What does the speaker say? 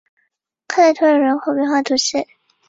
莱克图尔人口变化图示